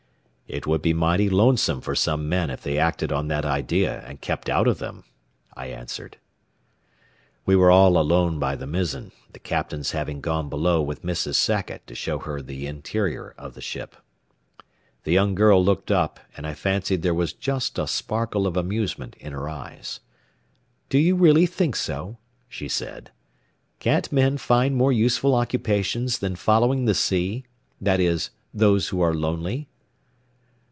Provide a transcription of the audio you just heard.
"It would be mighty lonesome for some men if they acted on that idea and kept out of them," I answered. We were all alone by the mizzen, the captains having gone below with Mrs. Sackett to show her the interior of the ship. The young girl looked up, and I fancied there was just a sparkle of amusement in her eyes. "Do you really think so?" she said. "Can't men find more useful occupations than following the sea, that is, those who are lonely?"